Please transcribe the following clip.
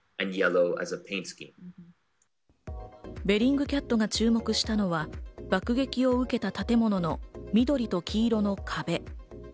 ベリングキャットが注目したのは、爆撃を受けた建物の緑と黄色の壁。